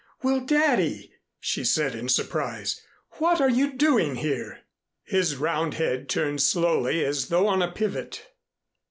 "Well, Daddy!" she said in surprise. "What are you doing here?" His round head turned slowly as though on a pivot.